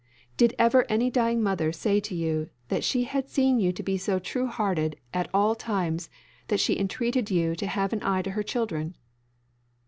Did ever any dying mother say to you that she had seen you to be so true hearted at all times that she entreated you to have an eye to her children?